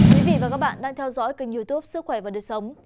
quý vị và các bạn đang theo dõi kênh youtube sức khỏe và đời sống